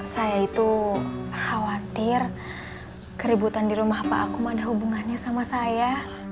saya itu khawatir keributan di rumah pak aku ada hubungannya sama saya